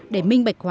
để minh bạch hóa